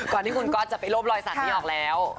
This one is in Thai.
ก่อนที่คุณก๊อตจะไปรบรอยสักนี้ออกแล้ว